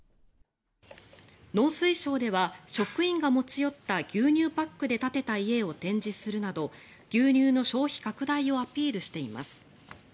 農水省では職員が持ち寄った牛乳パックで建てた家を展示するなど牛乳の消費拡大をアピールしています。